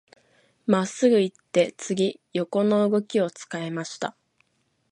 真っすぐ行って、次、横の動きを使いました。